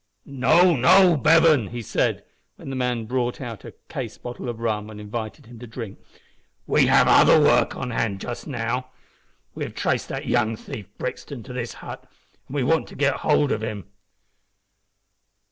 "No, no, Bevan," he said, when the man brought out a case bottle of rum and invited him to drink, "we have other work on hand just now. We have traced that young thief Brixton to this hut, and we want to get hold of him."